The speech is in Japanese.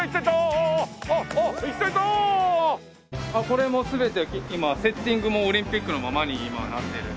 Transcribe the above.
これも全て今セッティングもオリンピックのままに今はなってるんで。